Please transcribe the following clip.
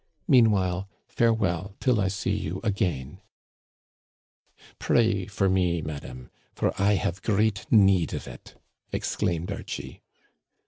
Meanwhile, farewell till I see you again !*'" Pray for me, madam, for I have great need of it," exclaimed Archie.